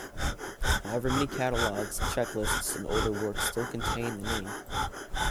However, many catalogs, checklists, and older works still contain the name.